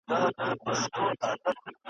چي ماښام سو غم نازل د آس بېلتون سو ..